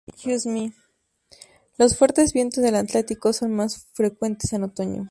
Los fuertes vientos del Atlántico son más frecuentes en otoño.